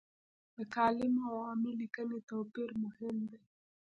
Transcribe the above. د کالم او عامې لیکنې توپیر مهم دی.